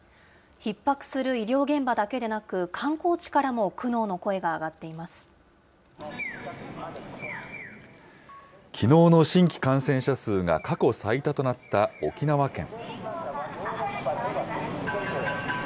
ひっ迫する医療現場だけではなく、観光地からも苦悩の声が上きのうの新規感染者数が過去最多となった沖縄県。